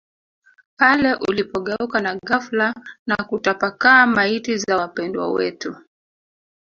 pale ulipogeuka na ghafla na kutapakaa Maiti za wapendwa wetu